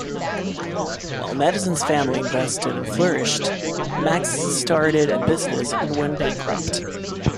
While Madison's family invested and flourished, Mac's started a business and went bankrupt.